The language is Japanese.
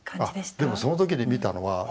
でもその時に見たのはええ！？